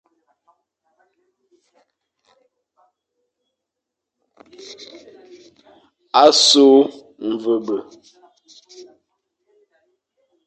A su mvebe.